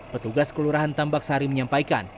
petugas kelurahan tambak sari menyampaikan